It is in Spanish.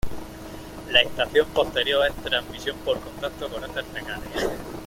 La estación posterior es transmisión por contacto con heces fecales.